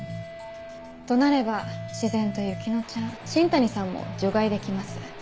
となれば自然と由紀乃ちゃん新谷さんも除外できます。